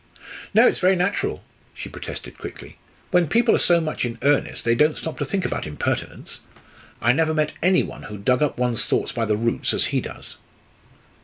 "No; it's very natural," she protested quickly. "When people are so much in earnest they don't stop to think about impertinence! I never met any one who dug up one's thoughts by the roots as he does."